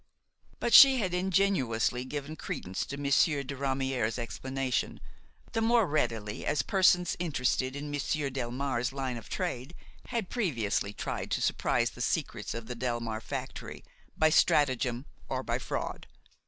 But she had ingenuously given credence to Monsieur de Ramière's explanation, the more readily as persons interested in Monsieur Delmare's line of trade had previously tried to surprise the secrets of the Delmare factory, by stratagem or by fraud.